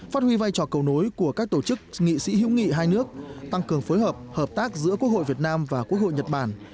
phát huy vai trò cầu nối của các tổ chức nghị sĩ hữu nghị hai nước tăng cường phối hợp hợp tác giữa quốc hội việt nam và quốc hội nhật bản